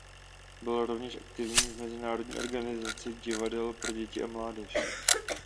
Byl rovněž aktivní v Mezinárodní organizaci divadel pro děti a mládež.